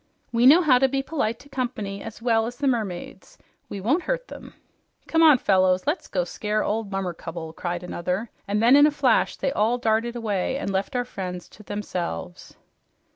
"We know how to be polite to company as well as the mermaids. We won't hurt them." "Come on, fellows, let's go scare old Mummercubble," cried another; and then in a flash they all darted away and left our friends to themselves.